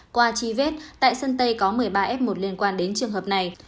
qua truy vết tại sân tây có một mươi ba f một liên quan đến trường hợp này